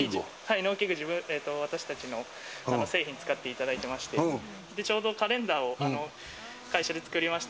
農機具、私たちの製品、使っていただいてまして、ちょうどカレンダーを会社で作りまして。